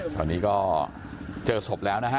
ตอนนี้ก็เจอศพแล้วนะฮะ